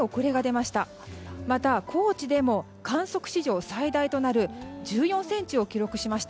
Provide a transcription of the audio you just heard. また高知でも観測史上最大となる１４ｃｍを記録しました。